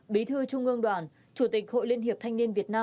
bí thư trung ương đoàn chủ tịch hội liên hiệp thanh niên việt nam